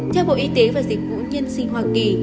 theo bộ y tế và dịch vụ nhân sinh hoa kỳ